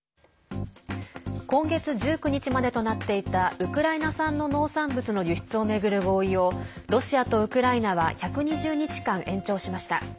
今月１９日までとなっていたウクライナ産の農産物の輸出を巡る合意をロシアとウクライナは１２０日間、延長しました。